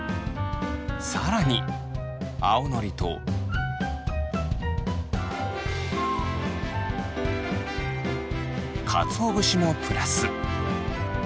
更にあおのりとかつお節もプラス。